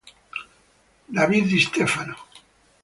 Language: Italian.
David Distéfano